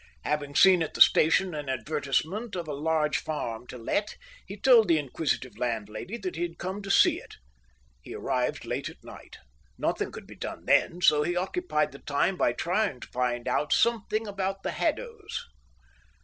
Having seen at the station an advertisement of a large farm to let, he told the inquisitive landlady that he had come to see it. He arrived late at night. Nothing could be done then, so he occupied the time by trying to find out something about the Haddos.